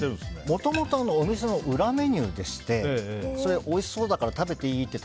もともとお店の裏メニューでそれでおいしそうだから食べていい？って